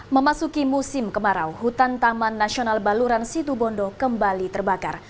memasuki musim kemarau hutan taman nasional baluran situbondo kembali terbakar